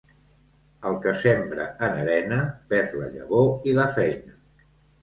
El que sembra en arena, perd la llavor i la feina.